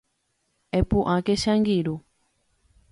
Epu'ãke che angirũ